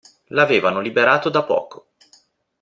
L'avevano liberato da poco